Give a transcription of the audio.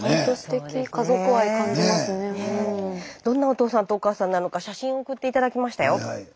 どんなお父さんとお母さんなのか写真を送って頂きましたよ。